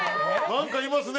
なんかいますね。